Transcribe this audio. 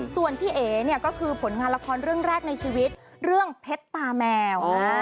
ส่วนพี่เอ๋เนี่ยก็คือผลงานละครเรื่องแรกในชีวิตเรื่องเพชรตาแมว